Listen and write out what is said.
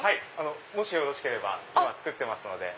もしよろしければ今作ってますので。